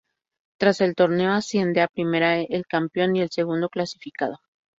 Tras el torneo asciende a Primera el campeón y el segundo clasificado.